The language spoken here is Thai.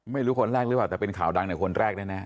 ไม่รู้คนแรกหรือเปล่าแต่เป็นข่าวดังในคนแรกแน่